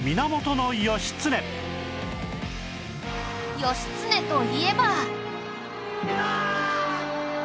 義経といえば。